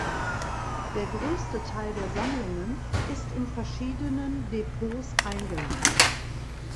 Der größte Teil der Sammlungen ist in verschiedenen Depots eingelagert.